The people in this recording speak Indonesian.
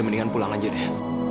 mendingan pulang aja deh